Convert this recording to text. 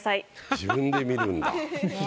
自分で見るんだ。